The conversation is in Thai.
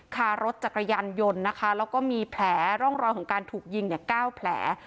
คารถจักรยานยนต์นะคะแล้วก็มีแผลร่องรอยของการถูกยิง๙แผล